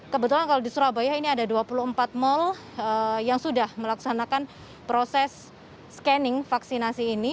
kebetulan kalau di surabaya ini ada dua puluh empat mal yang sudah melaksanakan proses scanning vaksinasi ini